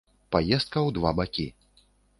Паездка ў два бакі.